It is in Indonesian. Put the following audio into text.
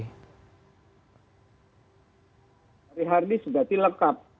dari hard disk berarti lengkap